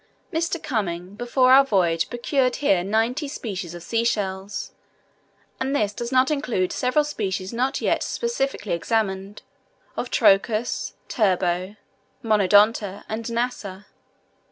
Mr. Cuming, before our voyage procured here ninety species of sea shells, and this does not include several species not yet specifically examined, of Trochus, Turbo, Monodonta, and Nassa.